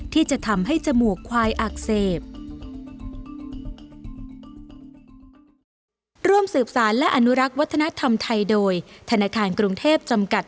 ที่จะทำให้จมูกควายอักเสบ